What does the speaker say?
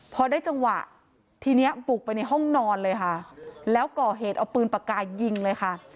พอได้จังหวะทีเนี้ยบุกไปในห้องนอนเลยค่ะแล้วก่อเหตุเอาปืนปากกายิงเลยค่ะ